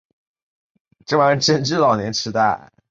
加利纳是一个位于美国伊利诺伊州乔戴维斯县的城市。